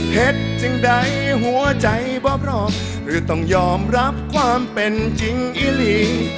จึงใดหัวใจบ่เพราะหรือต้องยอมรับความเป็นจริงอิลี